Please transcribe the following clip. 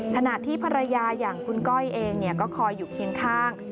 ขณะที่ภรรยาอย่างคุณก้อยเองก็คอยอยู่เคียงข้าง